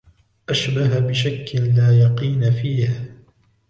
أَشْبَهَ بِشَكٍّ لَا يَقِين فِيهِ